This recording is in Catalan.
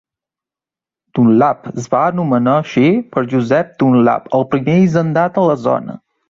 Dunlap es va anomenar així per Joseph Dunlap, el primer hisendat de la zona.